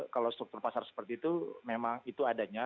kalau struktur pasar seperti itu memang itu adanya